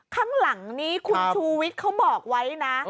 ข้างหลังนี้คุณชูวิทย์เขาบอกไว้นะ